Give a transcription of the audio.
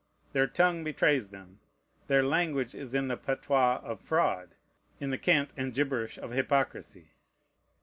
Their tongue betrays them. Their language is in the patois of fraud, in the cant and gibberish of hypocrisy.